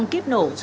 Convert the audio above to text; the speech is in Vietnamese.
năm kíp nổ